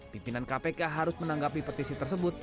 pimpinan kpk harus menanggapi petisi tersebut